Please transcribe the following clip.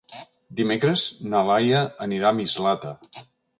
Dimecres na Laia anirà a Mislata.